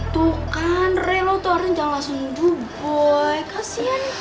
tuh kan rey lo tuh harusnya jangan langsung juh boy kasian kan